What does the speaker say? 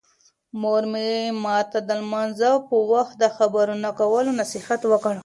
مور مې ماته د لمانځه په وخت د خبرو نه کولو نصیحت وکړ.